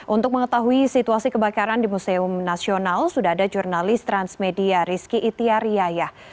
untuk mengetahui situasi kebakaran di museum nasional sudah ada jurnalis transmedia rizky itiar yayah